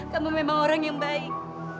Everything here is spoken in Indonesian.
kamu memang orang yang baik